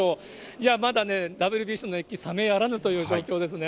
いや、まだね、ＷＢＣの熱気冷めやらぬという状況ですね。